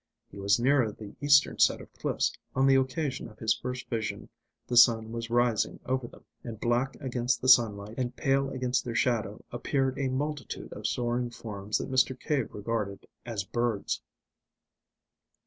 He was nearer the eastern set of cliffs, on the occasion of his first vision the sun was rising over them, and black against the sunlight and pale against their shadow appeared a multitude of soaring forms that Mr. Cave regarded as birds.